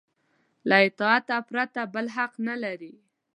له اطاعت پرته بل حق نه لري.